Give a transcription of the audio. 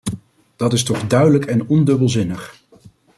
Dat is toch duidelijk en ondubbelzinnig.